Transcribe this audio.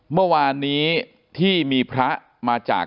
เมื่อวานนี้ที่มีพระมาจาก